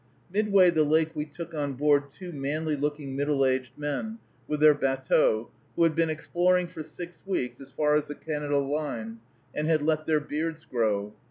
Midway the lake we took on board two manly looking middle aged men, with their batteau, who had been exploring for six weeks as far as the Canada line, and had let their beards grow.